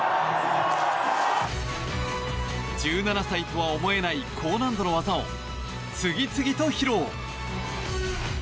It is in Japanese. １７歳とは思えない高難度の技を次々と披露。